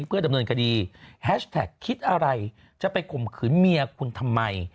เพื่อดำเนินคดีแฮชแท็กคิดอะไรจะไปข่มขืนเมียคุณทำไม